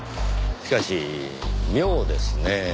しかし妙ですねぇ。